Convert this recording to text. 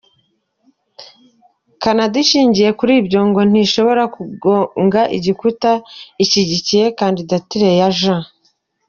Canada ishingiye kuri ibyo, ngo ‘ntishobora kugonga igikuta’ ishyigikira kandidatire ya Jean.